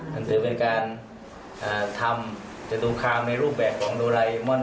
ก็ถือเป็นการทำจัตุคามในรูปแบบโปเกมอนโดราไอมอน